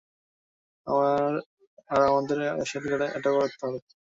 আর আমাদের একসাথেই এটা করতে হবে।